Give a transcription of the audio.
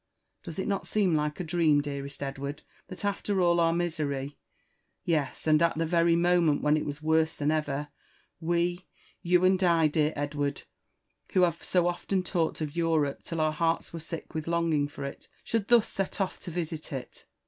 Does it not seem like a dream, dearest Edward, that after all our misery — yes, and at the very mo ment when it was worse than ever — ^we, you and I, dear Edward, JONATHAN JEFMRSON WHITLAW. 305 who have so oftou talked of Europe till our hearts were sick with longing for it, should thus set off to visit it?